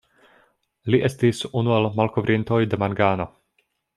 Li estis unu el malkovrintoj de mangano.